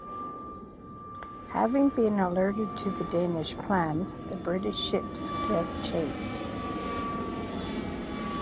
Having been alerted to the Danish plan, the British ships give chase.